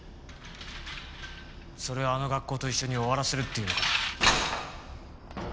それをあの学校と一緒に終わらせるっていうのか。